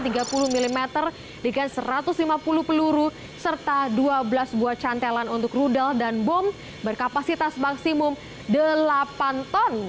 diangkat dengan satu ratus lima puluh mm satu ratus lima puluh peluru serta dua belas buah cantelan untuk rudal dan bom berkapasitas maksimum delapan ton